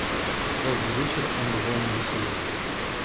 Каждый вечер он бывал навеселе.